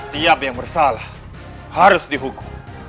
tiap yang bersalah harus dihukum